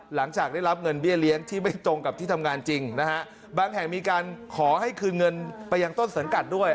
หลังจากได้รับเงินเบี้ยเลี้ยงที่ไม่ตรงกับที่ทำงานจริงนะฮะบางแห่งมีการขอให้คืนเงินไปยังต้นสังกัดด้วย